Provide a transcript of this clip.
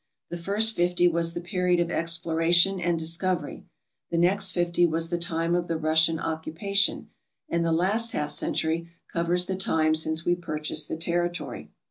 The first fifty was the period of exploration and discovery. The next fifty was the time of the Russian occupation, and the last half century covers the time since we purchased the territory.